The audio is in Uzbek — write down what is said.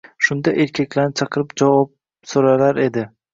Shunda, erkaklarni chaqirib javob so‘ralar edi.